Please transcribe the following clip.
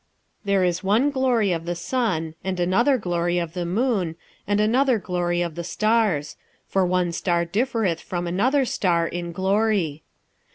46:015:041 There is one glory of the sun, and another glory of the moon, and another glory of the stars: for one star differeth from another star in glory.